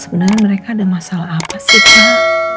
sebenernya mereka ada masalah apa sih pak